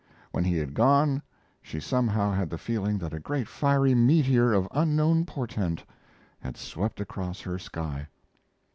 When he had gone she somehow had the feeling that a great fiery meteor of unknown portent had swept across her sky.